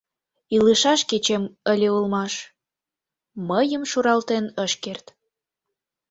Илышаш кечем ыле улмаш — мыйым шуралтен ыш керт.